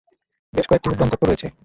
বেশ কয়েকটি উদ্যম তত্ত্ব রয়েছে।